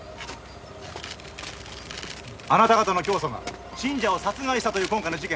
あなた方の教祖が信者を殺害したという今回の事件